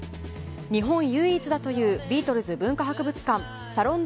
日本唯一だというビートルズ文化博物館サロン